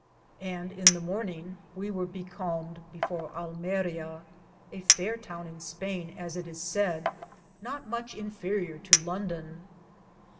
95 Degate^ ; in the morninge we weare becalmed before Alama,^ a fair toune in Spaine, as it is said, not moche inferrier to London.